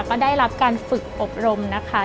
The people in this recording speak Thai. ก็ได้รับการฝึกอบรมนะคะ